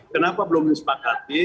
kenapa belum disepakati